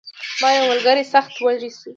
زما یو ملګری سخت وږی شوی.